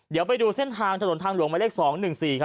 เดี๋ยวไปดูเส้นทางถนนทางหลวงหมายเลข๒๑๔ครับ